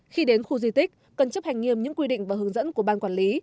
khi đến khu di tích cần chấp hành nghiêm những quy định và hướng dẫn của ban quản lý